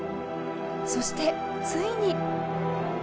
そしてついに。